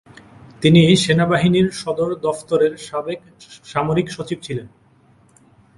তিনি সেনাবাহিনীর সদর দফতরের সাবেক সামরিক সচিব ছিলেন।